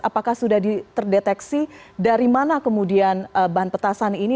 apakah sudah terdeteksi dari mana kemudian bahan petasan ini